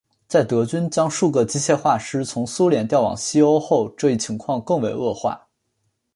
在德军将数个机械化师从苏联调往西欧后这一情况更为恶化。